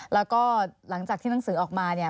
แล้วก็หลังจากที่หนังสือออกมาเนี่ย